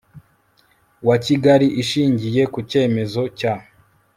wa Kigali ishingiye ku cyemezo cya